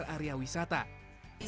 dan juga untuk perusahaan yang lain